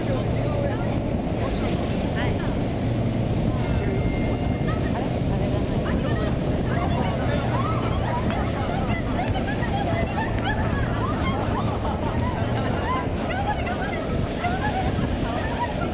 あれがないです。